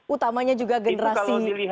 utamanya juga generasi milenial